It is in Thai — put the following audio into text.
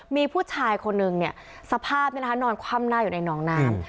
มีผู้ชายคนนึงสภาพนอนคว่ำหน้าอยู่ในน้องน้ำ